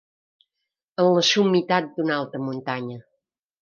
En la summitat d'una alta muntanya.